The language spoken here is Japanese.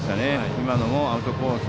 今のもアウトコース